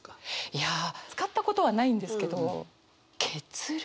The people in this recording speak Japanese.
いや使ったことはないんですけど血涙？